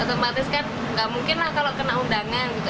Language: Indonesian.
otomatis kan nggak mungkin lah kalau kena undangan gitu